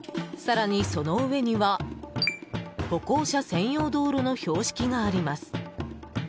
更に、その上には歩行者専用道路の標識があります。